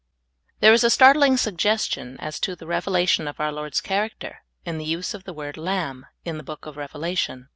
THERE is a startling suggestion as to the revelation of our Lord's character in the use of the word lamb, in the book of Revelation.